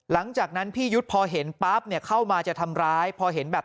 หลังจากนั้นพี่ยุทธ์พอเห็นปั๊บเนี่ยเข้ามาจะทำร้ายพอเห็นแบบ